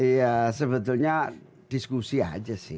ya sebetulnya diskusi aja sih